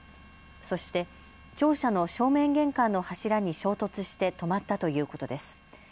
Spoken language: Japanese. そして、庁舎の正面玄関の柱に衝突して止まったということです。